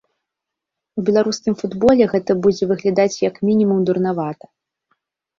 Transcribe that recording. У беларускім футболе гэта будзе выглядаць як мінімум дурнавата.